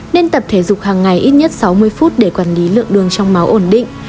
nên tập thể dục hàng ngày ít nhất sáu mươi phút để quản lý lượng đường trong máu ổn định